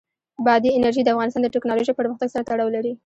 بادي انرژي د افغانستان د تکنالوژۍ پرمختګ سره تړاو لري.